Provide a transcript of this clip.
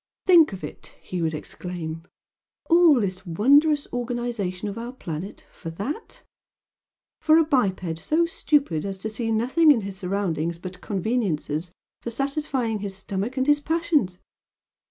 "Think of it!" he would exclaim "All this wondrous organisation of our planet for THAT! For a biped so stupid as to see nothing in his surroundings but conveniences for satisfying his stomach and his passions!